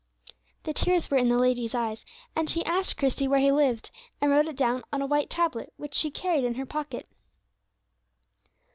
The tears were in the lady's eyes, and she asked Christie where he lived, and wrote it down on a white tablet which she carried in her pocket.